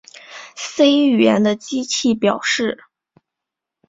C 语言的机器表示